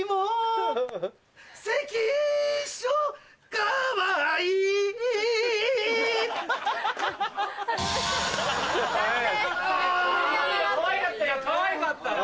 かわいかったよかわいかったよ。